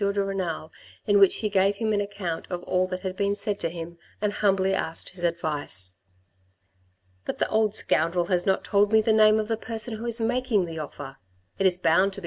de Renal in which he gave him an account of all that had been said to him and humbly asked his advice. " But the old scoundrel has not told me the name of the person who is making the offer. It is bound to be M.